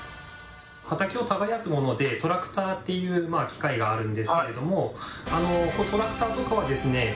畑を耕すものでトラクターっていう機械があるんですけれどもこのトラクターとかはですね